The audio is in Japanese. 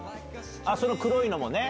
その黒いのもね。